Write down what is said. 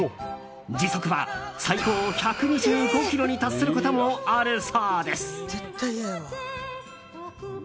時速は最高１２５キロに達することもあるそうです。